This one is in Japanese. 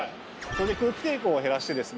これで空気抵抗を減らしてですね